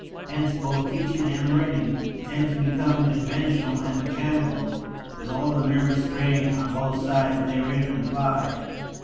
Hence both teaching and learning tend to become conventional and mechanical with all the nervous strain on both sides therein implied.